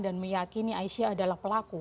dan meyakini aisyah adalah pelaku